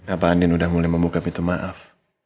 apa andien udah mulai membuka pintu maaf